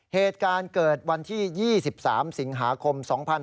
เหตุการณ์เกิดวันที่๒๓สิงหาคม๒๕๖๒